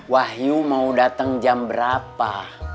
wahyu mau datang jam berapa